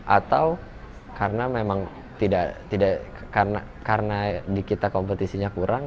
atau karena kita kompetisinya kurang